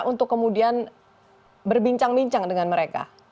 untuk kemudian berbincang bincang dengan mereka